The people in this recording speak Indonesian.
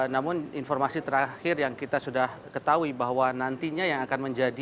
namun informasi terakhir yang kita sudah ketahui bahwa nantinya yang akan menjadi